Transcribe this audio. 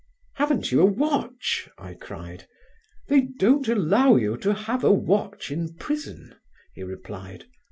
"Haven't you a watch?" I cried. "They don't allow you to have a watch in prison," he replied.